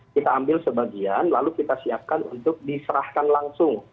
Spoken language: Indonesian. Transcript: kita ambil sebagian lalu kita siapkan untuk diserahkan langsung